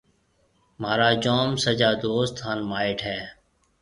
مهارا جوم سجا دوست هانَ مائيٽ هيَ۔